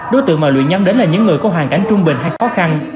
đối tượng mà luyện nhắm đến là những người có hoàn cảnh trung bình hay khó khăn